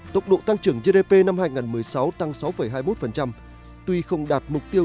tốc độ tăng trưởng gdp năm hai nghìn một mươi sáu tăng sáu hai mươi một tuy không đạt mục tiêu